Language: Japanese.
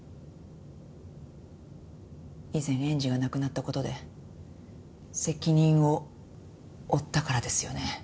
以前園児が亡くなった事で責任を負ったからですよね。